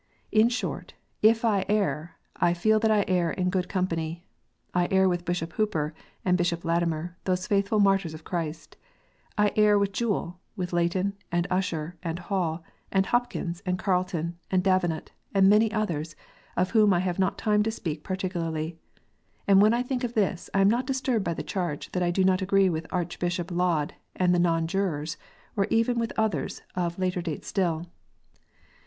In short, if I err, I feel that I err in good company. I err with Bishop Hooper and Bishop Latimer, those faithful martyrs of Christ. I err with Jewel, with Leighton, and Usher, and Hall, and Hopkins, and Carleton, and Davenant, and many others, of whom I have not time to speak particularly. And when I think of this, I am not disturbed by the charge that do not agree with Archbishop Laud and the Non jurors, or even with others of later date still.